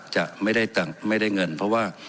จะไม่ได้เงินเพราะว่า